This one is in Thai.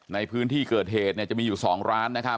ในพื้นที่เกิดเหตุจะมีอยู่๒ร้านนะครับ